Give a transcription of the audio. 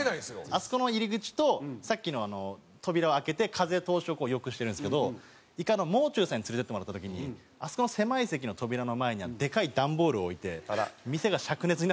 あそこの入り口とさっきの扉を開けて風通しを良くしてるんですけど１回もう中さんに連れていってもらった時にあそこの狭い席の扉の前にでかい段ボールを置いて。